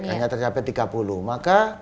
hanya tercapai tiga puluh maka